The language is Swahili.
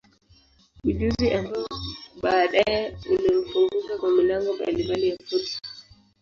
Ujuzi ambao baadaye ulimfunguka kwa milango mbalimbali ya fursa.